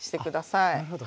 なるほど。